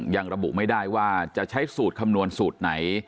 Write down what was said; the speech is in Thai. ยังระบุไม่ได้ว่าจะใช้สูตรคำนวณสูตรไหน